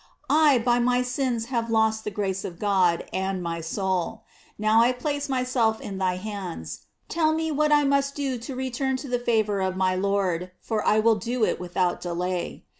I, by my sins have lost the grace of God and my own soul, i^ow I place myself in thy hands; tell me what I must do to return to the favor of my Lord, for I will do it, without delay.